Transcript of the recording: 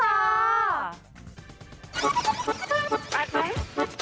แป๊ดไหม